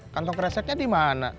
kantong kereseknya di mana